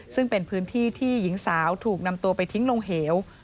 ซึ่งเป็นพื้นที่ที่หญิงสาวถูกนำตัวไปทิ้งลงเหว